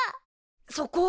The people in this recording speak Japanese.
そこ？